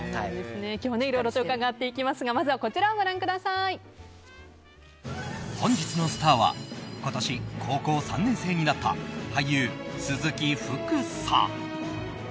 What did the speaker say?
今日はいろいろと伺っていきますが本日のスターは今年、高校３年生になった俳優・鈴木福さん。